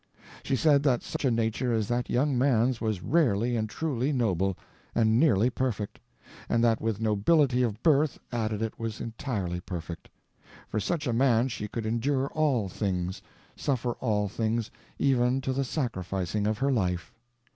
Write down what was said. She said that such a nature as that young man's was rarely and truly noble, and nearly perfect; and that with nobility of birth added it was entirely perfect. For such a man she could endure all things, suffer all things, even to the sacrificing of her life.